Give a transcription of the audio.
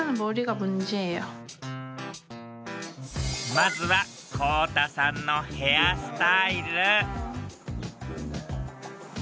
まずはこうたさんのヘアスタイル。